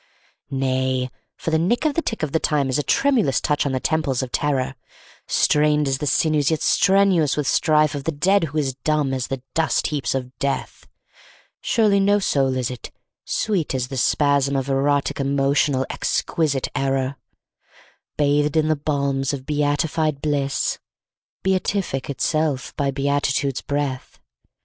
Nay, for the nick of the tick of the time is a tremulous touch on the temples of terror, Strained as the sinews yet strenuous with strife of the dead who is dumb as the dust heaps of death; Surely no soul is it, sweet as the spasm of erotic emotional exquisite error, Bathed in the balms of beatified bliss, beatific itself by beatitude's breath.